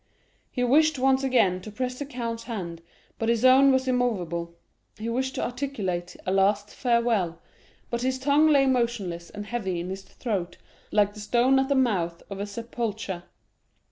He wished once again to press the count's hand, but his own was immovable. He wished to articulate a last farewell, but his tongue lay motionless and heavy in his throat, like a stone at the mouth of a sepulchre.